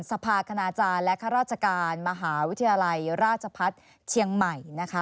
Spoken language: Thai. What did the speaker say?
ภาคณาจารย์และข้าราชการมหาวิทยาลัยราชพัฒน์เชียงใหม่นะคะ